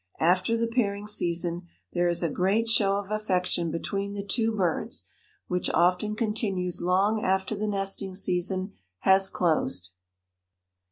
After the pairing season there is a great show of affection between the two birds, which often continues long after the nesting season has closed.